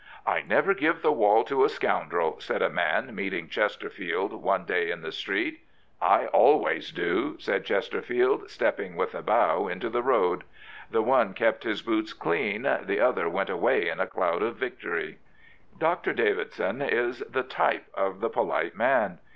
" I never give the wall to a scoundrel," said a man meeting Chesterfield one day in the street. " I always do," said Chesterfield, stepping with a bow into the road. The one kept his boots clean, the other went away in a cloud of victory. Dr. Davidson is the type of the polite man.